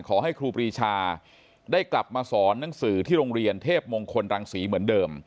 ครูปรีชาได้กลับมาสอนหนังสือที่โรงเรียนเทพมงคลรังศรีเหมือนเดิม